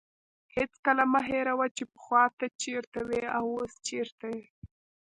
هېڅکله مه هېروه چې پخوا ته چیرته وې او اوس چیرته یې.